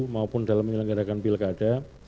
maupun dalam menyelenggarakan pilkada